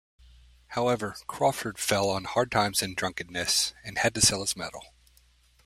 However, Crawford fell on hard times and drunkenness, and had to sell his medal.